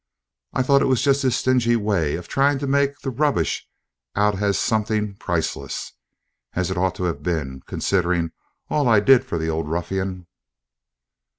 I thought it was just his stingy way of trying to make the rubbish out as something priceless, as it ought to have been, considering all I did for the old ruffian."